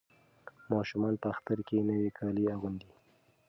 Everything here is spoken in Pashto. ماشومان په اختر کې نوي کالي اغوندي.